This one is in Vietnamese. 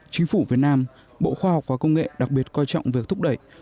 chính phủ việt nam bộ khoa học và công nghệ đặc biệt coi trọng việc thúc đẩy